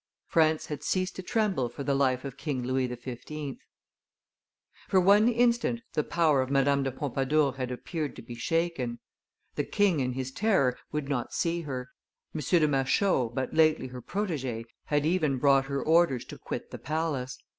France had ceased to tremble for the life of King Louis XV. For one instant the power of Madame de Pompadour had appeared to be shaken; the king, in his terror, would not see her; M. de Machault, but lately her protege, had even brought her orders to quit the palace.